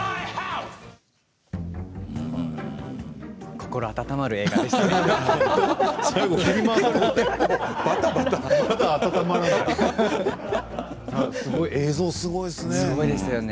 心温まる映画でしたね。